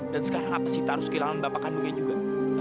dan sekarang apa sita harus kehilangan bapak kandungnya juga